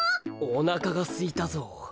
おなかがすいたぞう。